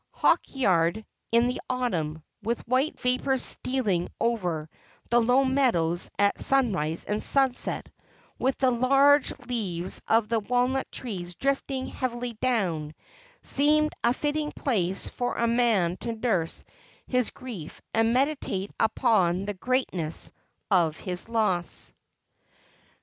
Hawksyard in the autumn, with white vapours stealing over the low meadows at sunrise and sunset, with the large leaves of the walnut trees drifting heavily down, seemed a fit ting place for a man to nurse his grief and meditate upon the greatness of his loss.